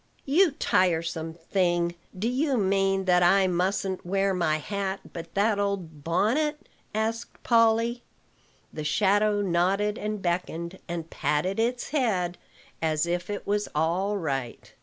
"You tiresome thing! do you mean that I mustn't wear my hat, but that old bonnet?" asked Polly. The shadow nodded and beckoned, and patted its head, as if it was all right.